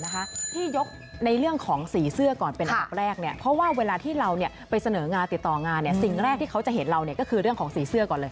ที่ยกในเรื่องของสีเสื้อก่อนเป็นอันดับแรกเนี่ยเพราะว่าเวลาที่เราไปเสนองานติดต่องานสิ่งแรกที่เขาจะเห็นเราก็คือเรื่องของสีเสื้อก่อนเลย